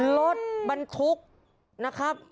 รถบรรทุกนะครับ